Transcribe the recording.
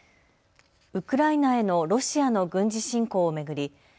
ウクライナへのロシアの軍事侵攻を巡り